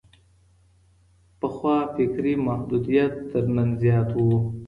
پخوا فکري محدوديت تر نن زيات وو.